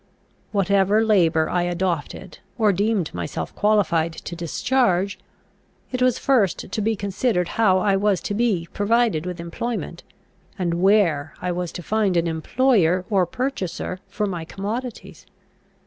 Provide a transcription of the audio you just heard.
Whatever labour I adopted, or deemed myself qualified to discharge, it was first to be considered how I was to be provided with employment, and where I was to find an employer or purchaser for my commodities.